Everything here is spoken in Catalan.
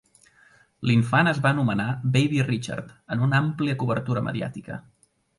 L'infant es va anomenar "Baby Richard" en una amplia cobertura mediàtica.